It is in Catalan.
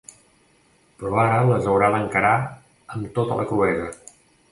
Però ara les haurà d’encarar amb tota la cruesa.